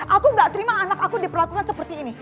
aku gak terima anak aku diperlakukan seperti ini